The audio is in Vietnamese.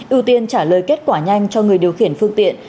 ưu tiên trả lời kết quả nhanh cho người điều khiển phương tiện